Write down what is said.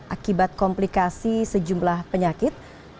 akibat komplikasi sejumlah penyakit